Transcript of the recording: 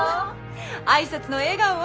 挨拶の笑顔は？